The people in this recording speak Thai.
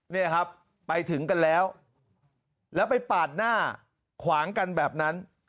เนี่ยครับไปถึงกันแล้วแล้วไปปาดหน้าขวางกันแบบนั้น